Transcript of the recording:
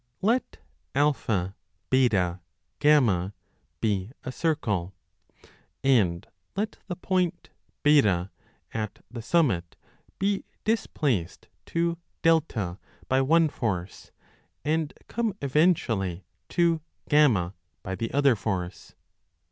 Let ABr be a circle, and let the point B at the summit be displaced to A by one force, and come eventually to F by the other force.